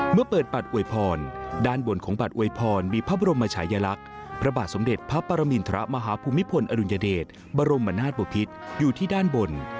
เมื่อเปิดบัตรอวยพรด้านบนของบัตรอวยพรมีพระบรมชายลักษณ์พระบาทสมเด็จพระปรมินทรมาฮภูมิพลอดุลยเดชบรมนาศบพิษอยู่ที่ด้านบน